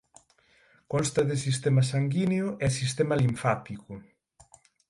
Consta de sistema sanguíneo e sistema linfático.